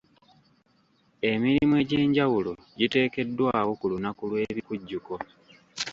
Emirimu egy'enjawulo giteekeddwawo ku lunaku lw'ebikujjuko.